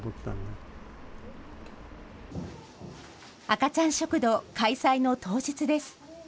赤ちゃん食堂開催の当日です。